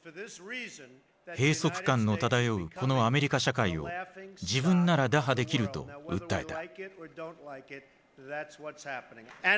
閉塞感の漂うこのアメリカ社会を自分なら打破できると訴えた。